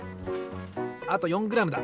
あと４グラムだ。